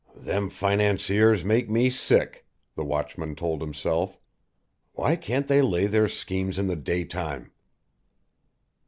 "Them financiers make me sick!" the watchman told himself. "Why can't they lay their schemes in the daytime?"